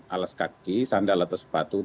alas kaki sandal atau sepatu